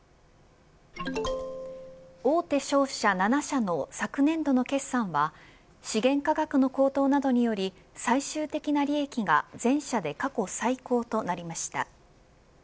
大手商社７社の昨年度の決算は資源価格の高騰などにより最終的な利益が全社で過去最高となりました。